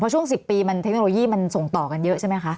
เพราะช่วง๑๐ปีเทคโนโลยีมันส่งต่อกันเยอะใช่ไหมครับ